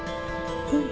うん。